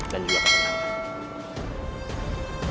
dan juga ketenangan